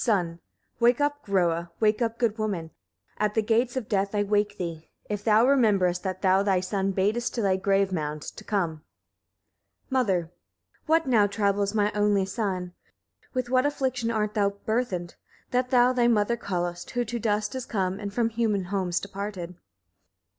Son. 1. Wake up, Groa! wake up, good woman! at the gates of death I wake thee! if thou rememberest, that thou thy son badest to thy grave mound to come. Mother. 2. What now troubles my only son? With what affliction art thou burthened, that thou thy mother callest, who to dust is come, and from human homes departed?